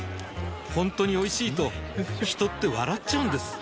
ほんとにおいしいと人って笑っちゃうんです